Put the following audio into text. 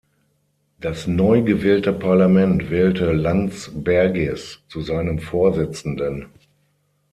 Das neu gewählte Parlament wählte Landsbergis zu seinem Vorsitzenden.